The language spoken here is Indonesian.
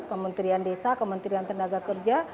kementerian desa kementerian tenaga kerja